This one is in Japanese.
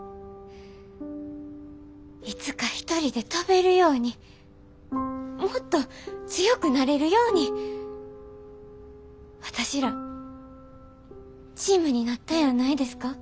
いつか一人で飛べるようにもっと強くなれるように私らチームになったんやないですか？